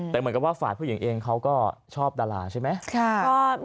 แต่เหมือนกับว่าฝ่ายผู้หญิงเองเขาก็ชอบดาราใช่ไหม